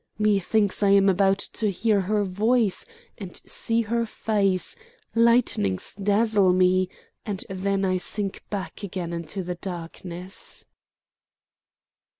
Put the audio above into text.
Methinks I am about to hear her voice, and see her face, lightnings dazzle me and then I sink back again into the darkness."